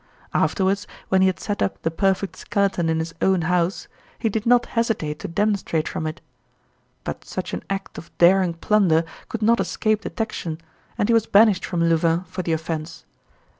Afterwards, when he had set up the perfect skeleton in his own house, he did not hesitate to demonstrate from it. But such an act of daring plunder could not escape detection, and he was banished from Louvain for the offence.